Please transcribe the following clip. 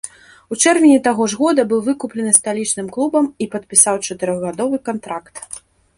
У чэрвені таго ж года быў выкуплены сталічным клубам і падпісаў чатырохгадовы кантракт.